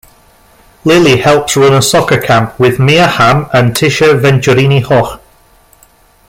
Lilly helps run a soccer camp with Mia Hamm and Tisha Venturini-Hoch.